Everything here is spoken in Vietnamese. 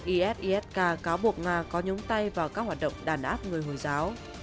is isk cáo buộc nga có nhúng tay vào các hoạt động đàn áp người hồi giáo